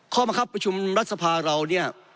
มังคับประชุมรัฐสภาเราเนี่ย